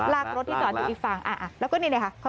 ลากรถที่จอดอยู่อีกฝั่งแล้วก็นี่นะคะ